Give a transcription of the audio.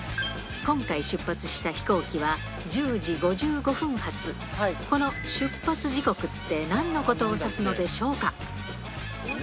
今回出発した飛行機は１０時５５分発、この出発時刻って、なんのことを指すのでしょうか。